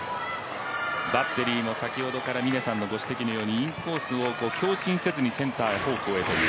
バッテリーも先ほど、峰さんのご指摘のようにインコースを強振せずにセンター方向へという。